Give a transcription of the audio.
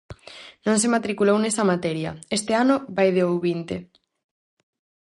Non se matriculou nesa materia, este ano vai de ouvinte.